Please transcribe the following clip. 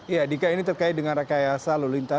ya dika ini terkait dengan rakyat yasa lulinta